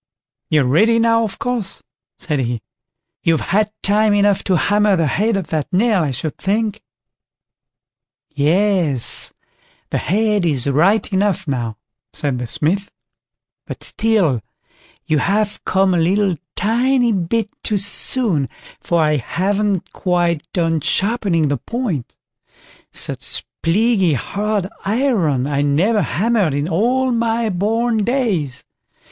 "You're ready now, of course", said he; "you've had time enough to hammer the head of that nail, I should think." "Yes, the head is right enough now", said the Smith; "but still you have come a little tiny bit too soon, for I haven't quite done sharpening the point; such plaguey hard iron I never hammered in all my born days.